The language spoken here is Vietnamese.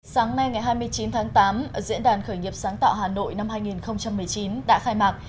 sáng nay ngày hai mươi chín tháng tám diễn đàn khởi nghiệp sáng tạo hà nội năm hai nghìn một mươi chín đã khai mạc